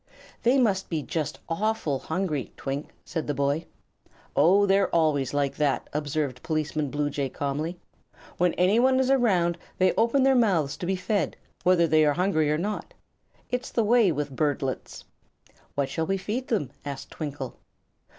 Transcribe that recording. "They must be just awful hungry, Twink," said the boy. "Oh, they're always like that," observed Policeman Bluejay, calmly. "When anyone is around they open their mouths to be fed, whether they are hungry or not. It's the way with birdlets." "What shall we feed them?" asked Twinkle.